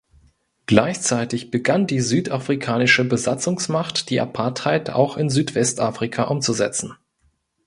Gleichzeitig begann die südafrikanische Besatzungsmacht die Apartheid auch in Südwestafrika umzusetzen.